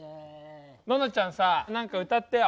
ののちゃんさ何か歌ってよ。